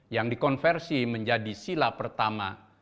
yang dikonversi menjadi sila pertama